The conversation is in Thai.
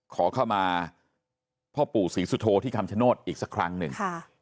ขอเข้ามาพ่อปู่ศรีสุโธที่คำชโนธอีกสักครั้งหนึ่ง